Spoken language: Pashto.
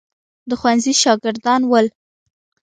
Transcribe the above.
د ښوونځي شاګردان ول.